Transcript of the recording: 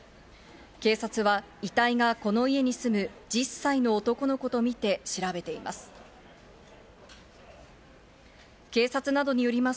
警察は遺体がこの家に住む１０歳の男の子とみて調べています。